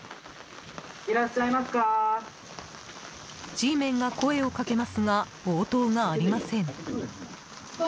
Ｇメンが声をかけますが応答がありません。